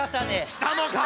したもか。